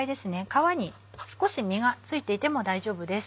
皮に少し身が付いていても大丈夫です。